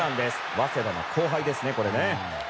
早稲田の後輩ですね。